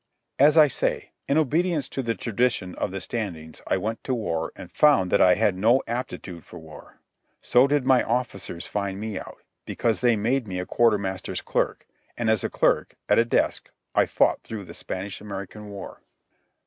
As I say, in obedience to the tradition of the Standings I went to war and found that I had no aptitude for war. So did my officers find me out, because they made me a quartermaster's clerk, and as a clerk, at a desk, I fought through the Spanish American War.